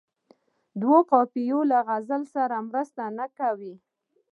دوه قافیې له غزل سره مرسته نه کوي.